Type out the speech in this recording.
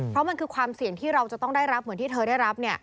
เพราะมันคือความเสี่ยงที่เราจะต้องได้รับเหมือนที่เธอได้รับ